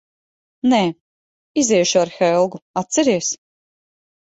Nē. Iziešu ar Helgu, atceries?